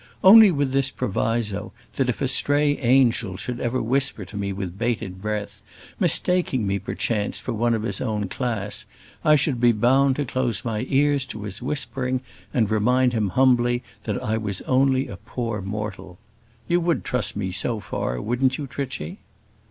Only with this proviso, that if a stray angel should ever whisper to me with bated breath, mistaking me, perchance, for one of his own class, I should be bound to close my ears to his whispering, and remind him humbly that I was only a poor mortal. You would trust me so far, wouldn't you, Trichy?"